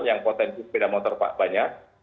yang potensi sepeda motor banyak